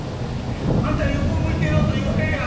あなたに横を向いていろと言われりゃ